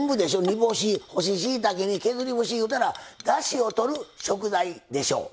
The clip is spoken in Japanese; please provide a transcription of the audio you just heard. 煮干し干ししいたけに削り節いうたらだしをとる食材でしょう。